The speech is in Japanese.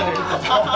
アハハハ！